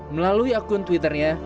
melalui akun twitternya